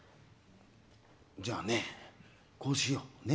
じゃあね、こうしよう。